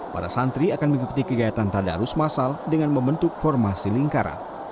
para santri akan mengikuti kegiatan tadarus masal dengan membentuk formasi lingkaran